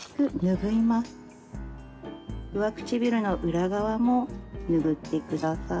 上唇の裏側も拭ってください。